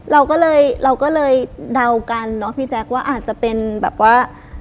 เราก็เลยเราก็เลยเดากันเนอะพี่แจ๊คว่าอาจจะเป็นแบบว่า